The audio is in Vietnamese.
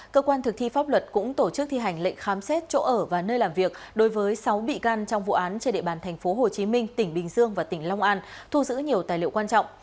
cơ quan thực thi pháp luật cũng tổ chức thi hành lệnh khám xét chỗ ở và nơi làm việc đối với sáu bị can trong vụ án trên địa bàn tp hcm tỉnh bình dương và tỉnh long an thu giữ nhiều tài liệu quan trọng